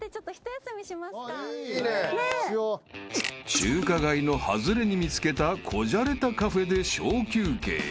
［中華街の外れに見つけた小じゃれたカフェで小休憩］